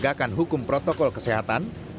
dan penegakan hukum protokol kesehatan